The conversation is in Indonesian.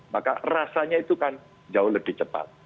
maka rasanya itu kan jauh lebih cepat